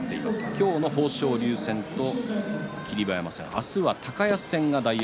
今日の豊昇龍戦と霧馬山戦明日は高安戦が大栄